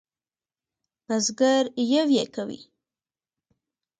بزگر یویې کوي.